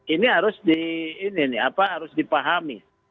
ini harus dipahami